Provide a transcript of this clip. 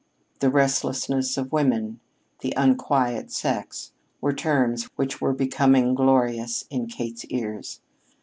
"The restlessness of women," "the unquiet sex," were terms which were becoming glorious in Kate's ears.